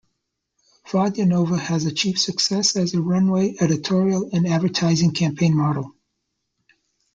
Vodianova has achieved success as a runway, editorial, and advertising campaign model.